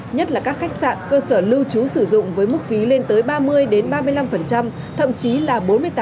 nhất là các khách sạn cơ sở lưu trú sử dụng với mức phí lên tới ba mươi ba mươi năm thậm chí là bốn mươi tám